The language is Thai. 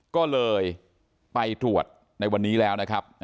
ก็เลยไปตรวจในวันนี้แล้วนะครับ